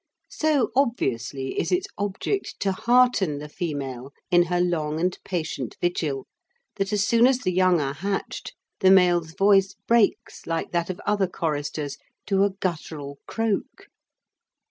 So obviously is its object to hearten the female in her long and patient vigil that as soon as the young are hatched the male's voice breaks like that of other choristers to a guttural croak.